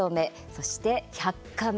そして、「１００カメ」